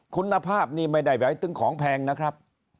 คุณภาพนี่ไม่ได้แบบให้ตึ้งของแพงนะครับ